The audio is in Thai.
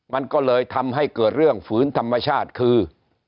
มันก็เลยทำให้เกิดเรื่องฝืนธรรมชาติคือ